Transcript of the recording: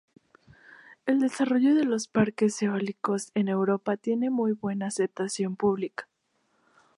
El desarrollo de los parques eólicos en Europa tiene muy buena aceptación pública.